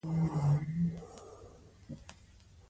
که ماشوم ژړا پیل کړه، غوصه مه کوئ.